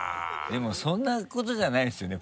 でもそんなことじゃないですよね。